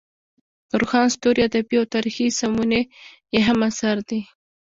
روښان ستوري ادبي او تاریخي سمونې یې هم اثار دي.